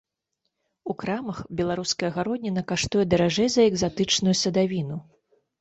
У крамах беларуская гародніна каштуе даражэй за экзатычную садавіну.